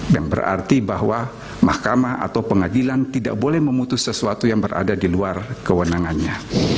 yang berarti bahwa mahkamah atau pengadilan tidak boleh memutus sesuatu yang berada di luar kewenangannya